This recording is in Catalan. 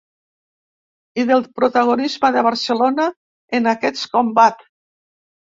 I del protagonisme de Barcelona en aquest combat.